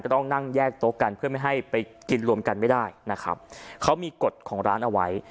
ต้องนั่งแยกโต๊ะกันเพื่อไม่ให้ไปกินรวมกันไม่ได้นะครับเขามีกฎของร้านเอาไว้